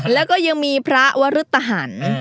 แล้วก็ยังมีพระวรุตหัน